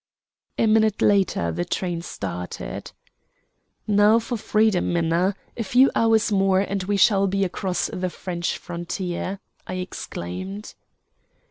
A minute later the train started. "Now for freedom, Minna. A few hours more and we shall be across the French frontier!" I exclaimed.